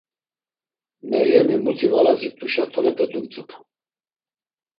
Meryemi muti var azit̆uşa tolepe dumtzupu.